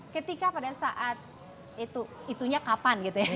ketika pada saat itunya kapan gitu ya